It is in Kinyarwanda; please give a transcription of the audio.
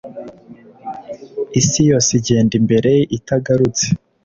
Isi yose igenda imbere itagarutse